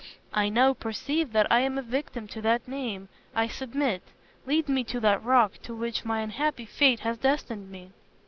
I now perceive that I am a victim to that name. I submit. Lead me to that rock to which my unhappy fate has destined me."